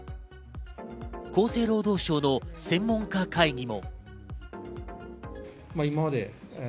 厚生労働省の専門家会議も。